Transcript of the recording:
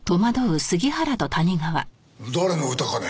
誰の歌かね？